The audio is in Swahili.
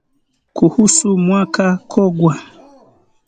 Kuhusu mwaka kogwa